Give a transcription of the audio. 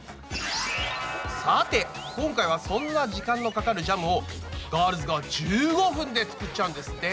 さて今回はそんな時間のかかるジャムをガールズが１５分で作っちゃうんですって。